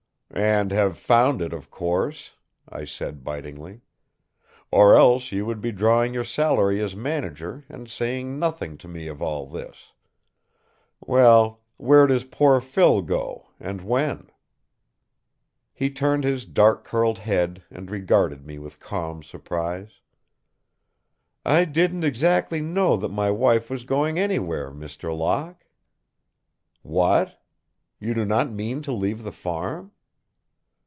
"And have found it, of course," I said bitingly. "Or else you would be drawing your salary as manager and saying nothing to me of all this! Well, where does poor Phil go, and when?" He turned his dark curled head and regarded me with calm surprise. "I didn't exactly know that my wife was going anywhere, Mr. Locke." "What? You do not mean to leave the farm?"